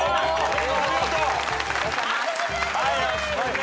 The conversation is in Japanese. お見事！